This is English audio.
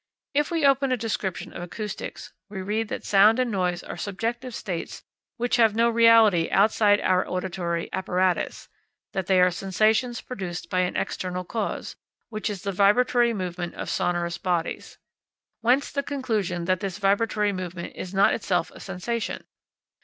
If we open a description of acoustics, we read that sound and noise are subjective states which have no reality outside our auditory apparatus; that they are sensations produced by an external cause, which is the vibratory movement of sonorous bodies whence the conclusion that this vibratory movement is not itself a sensation.